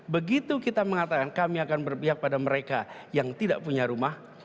begitu kita mengatakan kami akan berpihak pada mereka yang tidak punya rumah